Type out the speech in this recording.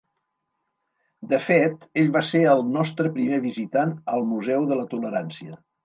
De fet, ell va ser el nostre primer visitant al Museu de la Tolerància.